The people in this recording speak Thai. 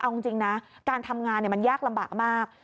เอาจริงนะการทำงานมันยากลำบากมาก